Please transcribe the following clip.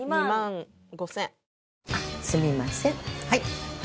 はい。